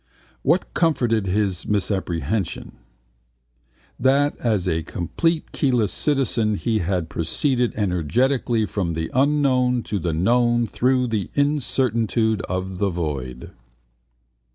What comforted his misapprehension? That as a competent keyless citizen he had proceeded energetically from the unknown to the known through the incertitude of the void.